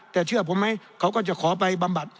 แต่เชื่อผมไหมเขาก็จะขอไปบำบัด